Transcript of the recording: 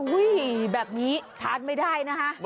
แบบนี้ทานไม่ได้นะคะ